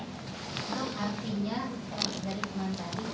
kondisi pasien itu memungkinkan